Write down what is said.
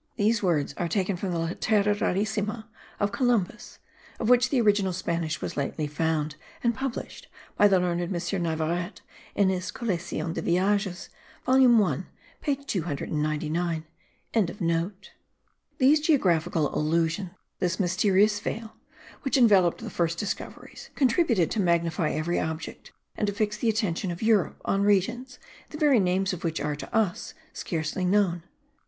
] These words are taken from the Lettera Rarissima of Columbus, of which the original Spanish was lately found, and published by the learned M. Navarrete, in his Coleccion de Viages volume 1 page 299.) These geographical illusions, this mysterious veil, which enveloped the first discoveries, contributed to magnify every object, and to fix the attention of Europe on regions, the very names of which are, to us, scarcely known.